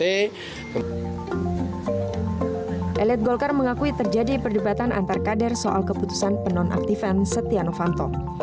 elit golkar mengakui terjadi perdebatan antarkader soal keputusan penonaktifan stiano fanto